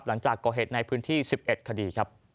หลังจากก่อเหตุในพื้นที่๑๑คดีครับ